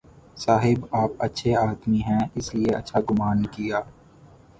صاحب آپ اچھے آدمی ہیں، اس لیے اچھا گمان کیا۔